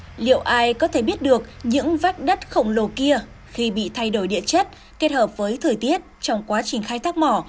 vậy liệu ai có thể biết được những vách đất khổng lồ kia khi bị thay đổi địa chất kết hợp với thời tiết trong quá trình khai thác mỏ